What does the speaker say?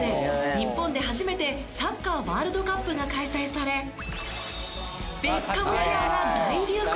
日本で初めてサッカーワールドカップが開催されベッカムヘアが大流行。